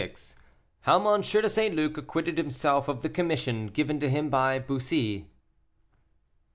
HOW M. DE ST. LUC ACQUITTED HIMSELF OF THE COMMISSION GIVEN TO HIM BY BUSSY.